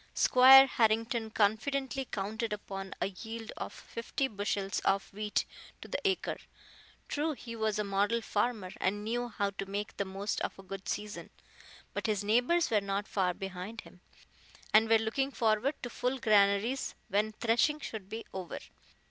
Squire Harrington confidently counted upon a yield of fifty bushels of wheat to the acre. True, he was a model farmer, and knew how to make the most of a good season, but his neighbors were not far behind him, and were looking forward to full granaries when threshing should be over.